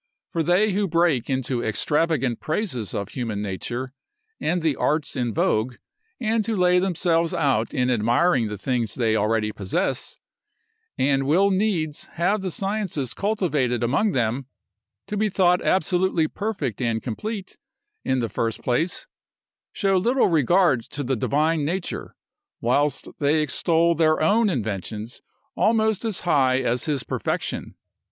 For they who break into extravagant praises of human nature, and the arts in vogue, and who lay themselves out in admiring the things they already possess, and will needs have the sciences cultivated among them, to be thought absolutely perfect and complete, in the first place, show little regard to the divine nature, whilst they extol their own inventions almost as high as his perfection.